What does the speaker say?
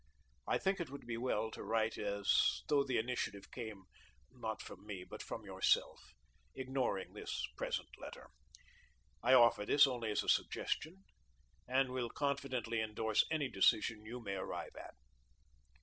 I think it would be well to write as though the initiative came, not from me, but from yourself, ignoring this present letter. I offer this only as a suggestion, and will confidently endorse any decision you may arrive at."